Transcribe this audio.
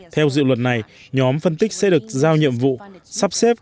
theo dự luật này nhóm phân tích sẽ được giao nhiệm vụ sắp xếp